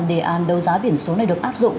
đề án đấu giá biển số này được áp dụng